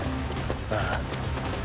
ああ。